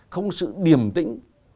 không có sự điềm tĩnh